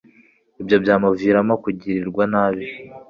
ibyo byamuviramo kugirirwa nabi